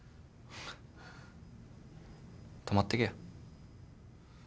泊まってけよ。